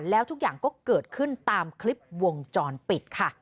แล้วทุกอย่างก็เกิดขึ้นตามคลิปวงจรปิดค่ะ